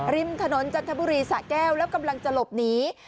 ริมถนนจันทบุรีสะแก้วแล้วกำลังจะหลบหนี